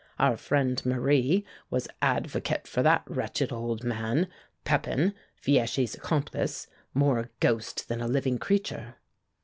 Our friend Marie was advocate for that wretched old man, Pépin, Fieschi's accomplice, more a ghost than a living creature."